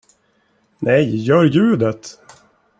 Nej, gör ljudet.